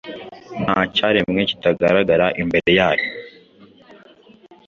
Nta cyaremwe kitagaragara imbere yayo